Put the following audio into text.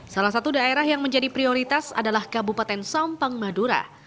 salah satu daerah yang menjadi prioritas adalah kabupaten sampang madura